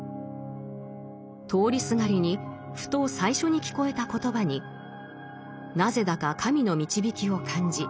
通りすがりにふと最初に聞こえた言葉になぜだか神の導きを感じ